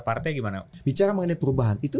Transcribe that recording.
partai gimana bicara mengenai perubahan itu